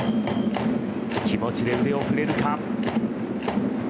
気持ちで腕を振れるか。